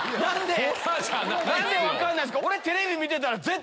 何で分かんないんすか⁉え？